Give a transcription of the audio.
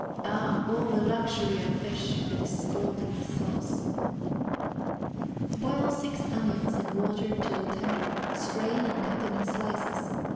Ah! all the luxury of fish, With scalding sauce. Boil six onions in water till tender, strain, and cut them in slices.